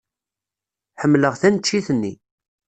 Ḥemmleɣ taneččit-nni.